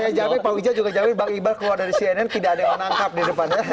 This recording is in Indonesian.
saya jawabnya pak wija juga jawabin bang iqbal keluar dari cnn tidak ada yang menangkap di depannya